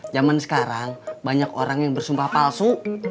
zaman sekarang banyak orang yang bersumpah palsu